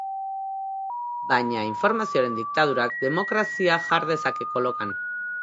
Baina informazioaren diktadurak demokrazioa jar dezake kolokan.